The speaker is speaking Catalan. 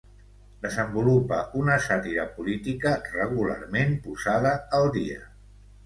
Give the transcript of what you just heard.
Desenvolupa una sàtira política regularment posada al dia.